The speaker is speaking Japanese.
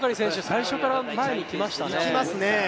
最初から前にきましたね。